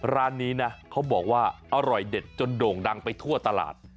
ร้านนี้นะเขาบอกว่าอร่อยเด็ดจนโด่งดังไปทั่วตลาด